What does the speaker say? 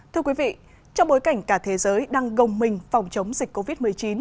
thưa quý vị trong bối cảnh cả thế giới đang gồng mình phòng chống dịch covid một mươi chín